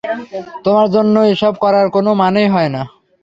তোমার জন্য এসব করার কোনো মানেই হয় না।